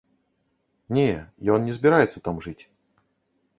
Не, ён не збіраецца там жыць.